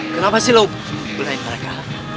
kenapa sih lo belai mereka